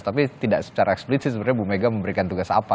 tapi tidak secara eksplisit sebenarnya bu mega memberikan tugas apa